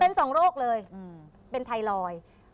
เป็นสองโรคเลยเป็นไทรอยด์